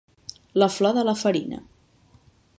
La flor de la farina.